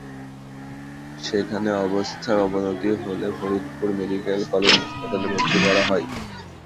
সেখানে অবস্থার অবনতি হলে ফরিদপুর মেডিকেল কলেজ হাসপাতালে ভর্তি করা হয়।